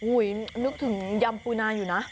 นึกถึงยำปูนาอยู่นะ